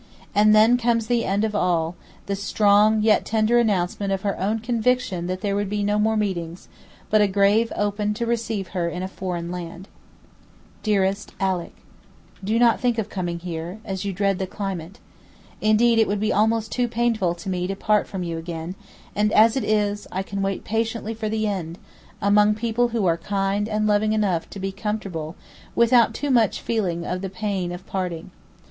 And then comes the end of all, the strong yet tender announcement of her own conviction that there would be no more meetings, but a grave opened to receive her in a foreign land. '"DEAREST ALICK, '"Do not think of coming here, as you dread the climate. Indeed, it would be almost too painful to me to part from you again; and as it is, I can wait patiently for the end, among people who are kind and loving enough to be comfortable without too much feeling of the pain of parting.